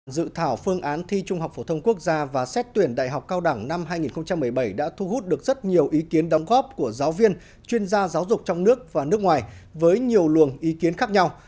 dự thảo phương án thi trung học phổ thông quốc gia và xét tuyển đại học cao đẳng năm hai nghìn một mươi bảy đã thu hút được rất nhiều ý kiến đóng góp của giáo viên chuyên gia giáo dục trong nước và nước ngoài với nhiều luồng ý kiến khác nhau